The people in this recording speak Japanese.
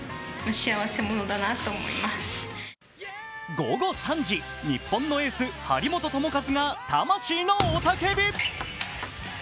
午後３時、日本のエース・張本智和が魂の雄叫び。